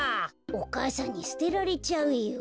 お母さんにすてられちゃうよ。